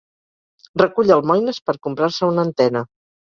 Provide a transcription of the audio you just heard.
Recull almoines per comprar-se una antena.